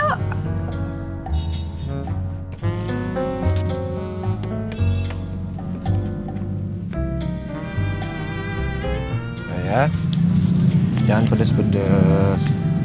udah ya jangan pedes pedes